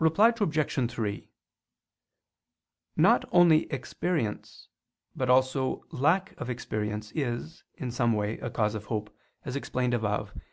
Reply Obj. 3: Not only experience, but also lack of experience, is, in some way, a cause of hope, as explained above (A.